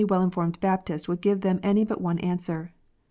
103 well informed Baptist would give them any but one answer.